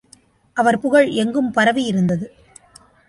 அவர் புகழ் எங்கும் பரவியிருந்தது.